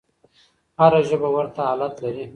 هره ژبه ورته حالت لري.